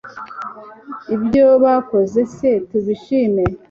ibyo bakoze se tubishime